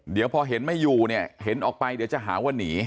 เดี๋ยวพอเห็นไม่อยู่เนี่ยเห็นออกไปเดี๋ยวจะหาว่าหนี